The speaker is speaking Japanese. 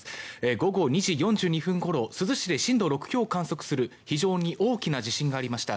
午後２時４２分ごろ珠洲市で震度６強を観測する非常に大きな地震がありました。